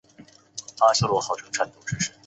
知识网络是知识元之间相互关联形成的网络。